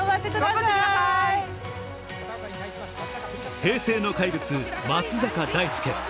平成の怪物・松坂大輔。